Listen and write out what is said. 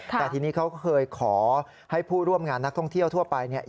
แต่ทีนี้เขาเคยขอให้ผู้ร่วมงานนักท่องเที่ยวทั่วไปเนี่ย